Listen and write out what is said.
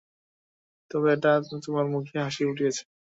তবে এটা তোমার মুখে হাসি ফুটিয়েছে।